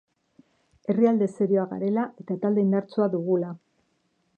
Herrialde serioa garela eta talde indartsua dugula.